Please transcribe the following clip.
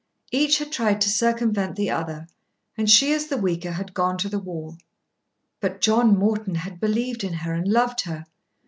Each had tried to circumvent the other, and she as the weaker had gone to the wall. But John Morton had believed in her and loved her.